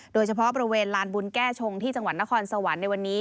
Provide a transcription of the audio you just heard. โดยเฉพาะบริเวณลานบุญแก้ชงที่จังหวัดนครสวรรค์ในวันนี้